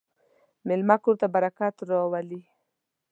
مېلمه کور ته برکت راولي.